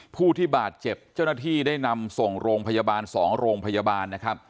ผู้ที่บาดเจ็บเจ้าหน้าที่ได้นำส่งโรงพยาบาล๒โรงพยาบาลนะครับ